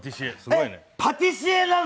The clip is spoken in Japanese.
パティシエなの？